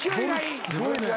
すごいね。